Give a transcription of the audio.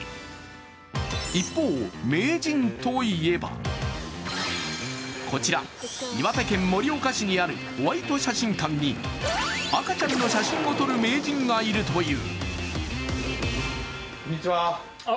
一方、名人といえばこちら、岩手県盛岡市にあるホワイト写真館に赤ちゃんの写真を撮る名人がいるという。